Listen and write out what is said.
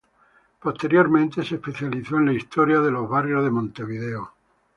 Posteriormente se especializó en la historia de los barrios de Montevideo.